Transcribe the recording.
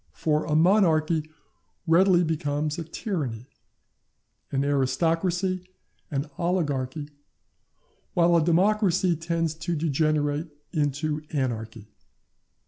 For a Monarchy readily becomes a Tyranny, an Aristocracy an Oligarchy, while a Democracy tends to degenerate into Anarchy.